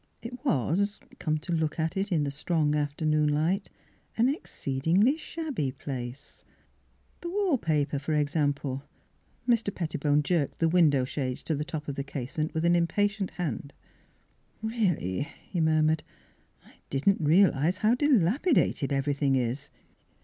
It was, come to look at it, in the strong afternoon light, an exceedingly shabby place. The wall paper, for example — Mr. Pettibone jerked the window shades to the top of the casement with an impatient hand. Miss Philura's Wedding Gown " Really," he murmured, " I didn't realise how dilapidated everything is."